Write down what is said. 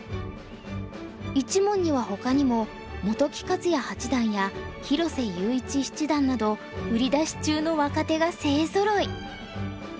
一門にはほかにも本木克弥八段や広瀬優一七段など売り出し中の若手が勢ぞろい。